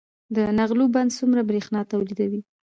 د نغلو بند څومره بریښنا تولیدوي؟